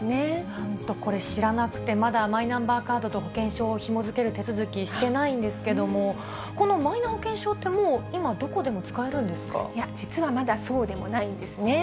なんとこれ、知らなくてまだマイナンバーカードと保険証をひもづける手続き、してないんですけども、このマイナ保険証って、もう今、実はまだそうでもないんですね。